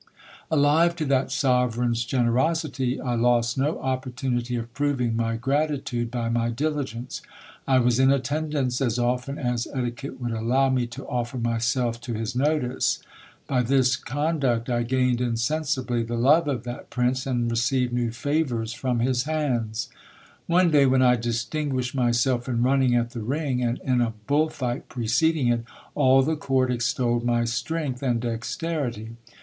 Alive to that sovereign's generosity, I lost no opportunity of proving my grati tude by my diligence. I was in attendance as often as etiquette would allow me to offer myself to his notice. By this conduct I gained insensibly the love of that prince, and received new favours from his hands. One day, when I distinguished myself in running at the ring, and in a bull fight preceding it, all the court extolled my strength and dexterity.